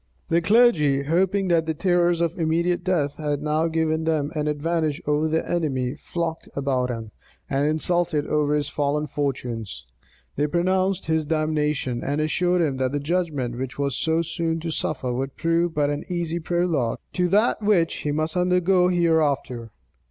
The clergy, hoping that the terrors of immediate death had now given them an advantage over their enemy, flocked about him, and insulted over his fallen fortunes. They pronounced his damnation, and assured him that the judgment which he was so soon to suffer, would prove but an easy prologue to that which he must undergo hereafter.